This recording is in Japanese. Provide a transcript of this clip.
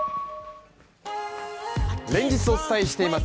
連日お伝えしています